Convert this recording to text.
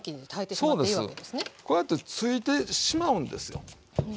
こうやってついてしまうんですよね。